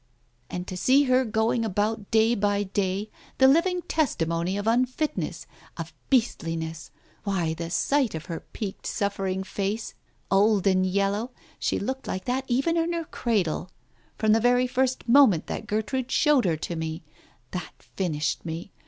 ... And to see her going about day by day, the living testimony of unfitness — of beastli ness. ... Why, the sight of her peaked, suffering face, old and yellow — she looked like that even in her cradle — from the very first moment that Gertrude showed her to me — that finished me